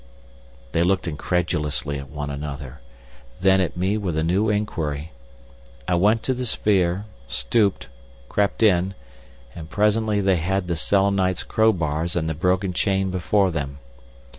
They looked incredulously at one another, then at me with a new inquiry. I went to the sphere, stooped, crept in, and presently they had the Selenites' crowbars and the broken chain before them.